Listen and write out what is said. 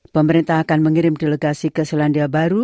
pemerintah akan mengirim delegasi ke selandia baru